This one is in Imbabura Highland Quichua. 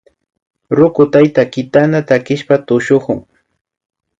Ruku tayta kinata takishpa tushukun